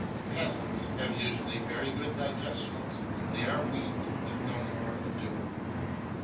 Peasants have usually very good digestions, and they are weaned with no more ado.